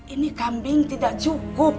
ini kambing tidak cukup